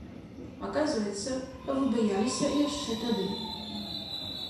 Аказваецца, вы баяліся яшчэ тады.